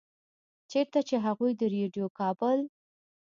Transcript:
چرته چې هغوي د ريډيؤ کابل